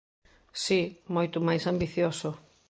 Si, moito máis ambicioso.